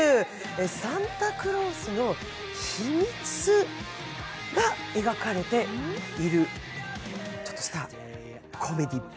サンタクロースの秘密が描かれているちょっとしたコメディー。